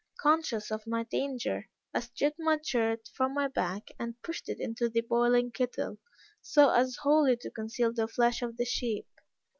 Conscious of my danger, I stripped my shirt from my back, and pushed it into the boiling kettle, so as wholly to conceal the flesh of the sheep.